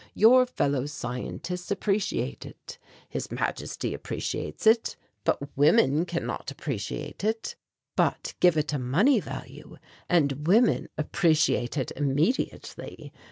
Your fellow scientists appreciate it, His Majesty appreciates it, but women cannot appreciate it. But give it a money value and women appreciate it immediately.